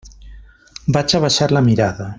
Vaig abaixar la mirada.